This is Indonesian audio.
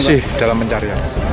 masih dalam mencari